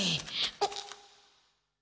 あっ。